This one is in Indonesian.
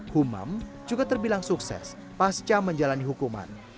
humam juga terbilang sukses pasca menjalani hukuman